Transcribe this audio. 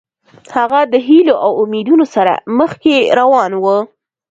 هغه د هیلو او امیدونو سره مخکې روان و.